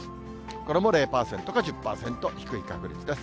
これも０％か１０％、低い確率です。